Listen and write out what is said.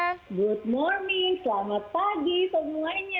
good morning selamat pagi semuanya